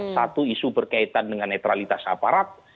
satu isu berkaitan dengan netralitas aparat